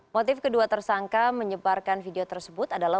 motif kedua tersangka menyebarkan video tersebut adalah